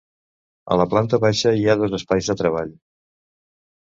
A la planta baixa hi ha dos espais de treball.